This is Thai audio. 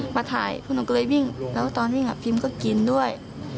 มาถ่ายพวกหนูก็เลยวิ่งแล้วตอนวิ่งพิมก็กินด้วย